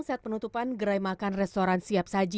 saat penutupan gerai makan restoran siap saji